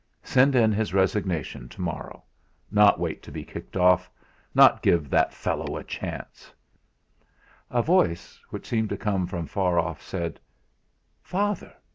Send in his resignations to morrow not wait to be kicked off! Not give that fellow a chance! A voice which seemed to come from far off, said: "Father!